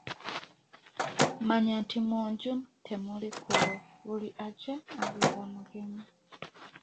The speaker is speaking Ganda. Manya nti mu nju temuli kkubo buli ajja abeera mugenyi.